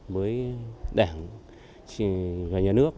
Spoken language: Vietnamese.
với đảng và nhà nước